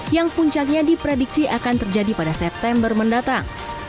yang puncaknya diprediksi akan terjadi pada september mendatang